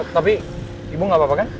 tapi ibu gak apa apa kan